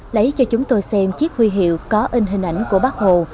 lấy cho chúng tôi xem chiếc huy hiệu có in hình ảnh của bác hồ